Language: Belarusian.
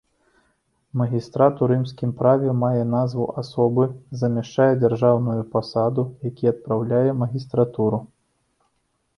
Магістрат у рымскім праве мае назву асобы, замяшчае дзяржаўную пасаду, які адпраўляе магістратуру.